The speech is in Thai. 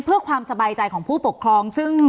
เพื่อความสบายใจของผู้ปกครองซึ่ง